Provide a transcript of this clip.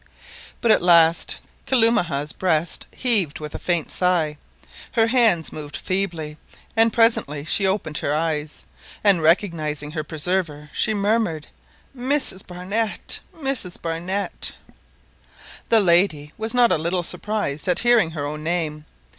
But at last Kalumah's breast heaved with a faint sigh, her hands moved feebly, and presently she opened her eyes, and recognising her preserver she murmured— "Mrs Barnett! Mrs Barnett!" The lady was not a little surprised at hearing her own name.